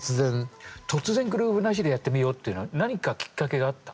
突然グルーブなしでやってみようっていうのは何かきっかけがあった？